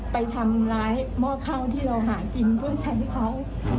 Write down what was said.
ไปทำร้ายหม้อข้าวที่เราหาคิดชั้นให้เขา